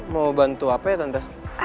mau bantu apa ya tante